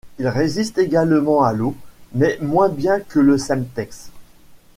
Il résiste également à l'eau, mais moins bien que le Semtex.